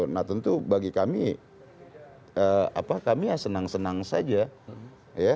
nah tentu bagi kami kami ya senang senang saja ya